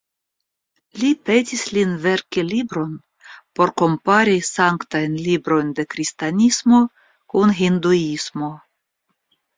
Li petis lin verki libron por kompari sanktajn librojn de kristanismo kun hinduismo.